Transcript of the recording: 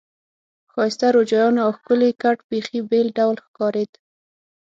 ښایسته روجایانو او ښکلي کټ بیخي بېل ډول ښکارېد.